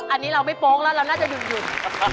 อันนี้เราไม่โป๊งแล้วเราน่าจะหยุด